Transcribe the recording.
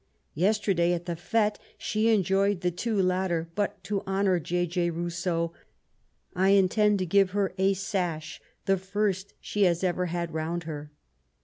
Yesterday at the fdte she enjoyed the two latter ; but, to honour J. J. Rousseau, I intend to give her a sash, the first she has ever had round her.